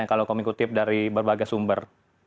kalau kamu ikutip dari berbagai sumber